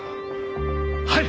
はい！